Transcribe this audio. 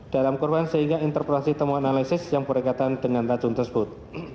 dalam korban sehingga interpelasi temuan analisis yang berkaitan dengan racun tersebut